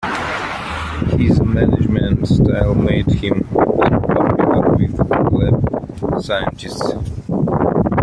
His management style made him unpopular with lab scientists.